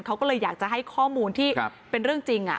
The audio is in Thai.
เขาก็เลยอยากจะให้ข้อมูลที่เป็นเรื่องจริง